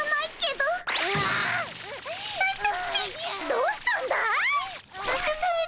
どうしたんだい？